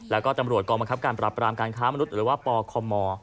แล้วก็ตำรวจกองบังคับการปรับปรามการค้ามนุษย์หรือว่าปคม